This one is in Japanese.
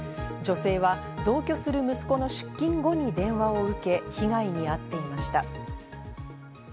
女性は同居する息子の出勤後に電話を受け、被害に遭っていました。